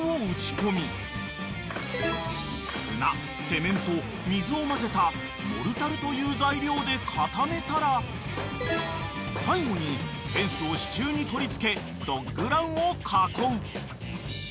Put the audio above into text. ［砂セメント水を混ぜたモルタルという材料で固めたら最後にフェンスを支柱に取り付けドッグランを囲う］